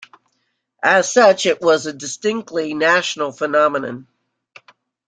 As such it was a distinctly national phenomenon.